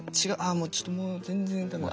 もうちょっともう全然ダメだ。